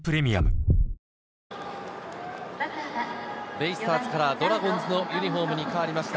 ベイスターズからドラゴンズのユニホームに変わりました。